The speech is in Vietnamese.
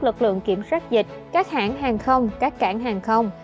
lực lượng kiểm soát dịch các hãng hàng không các cảng hàng không